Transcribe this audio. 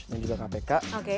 dan juga kpk